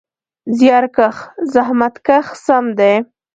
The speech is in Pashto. زیارکښ: زحمت کښ سم دی.